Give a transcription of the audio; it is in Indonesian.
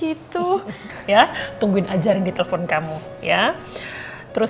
itu kan pak aldebar